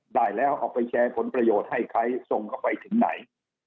ได้แล้วเอาไปแชร์ผลประโยชน์ให้ใครส่งเข้าไปถึงไหน